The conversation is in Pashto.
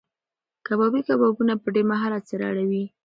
کبابي کبابونه په ډېر مهارت سره اړوي.